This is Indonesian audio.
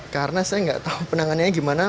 karena saya nggak tahu penangannya gimana